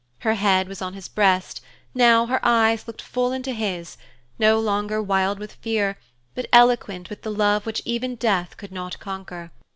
Her head was on his breast, now, her eyes looked full into his, no longer wild with fear, but eloquent with the love which even death could not conquer.